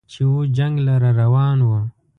چې و جنګ لره روان و